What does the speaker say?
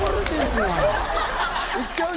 いっちゃう？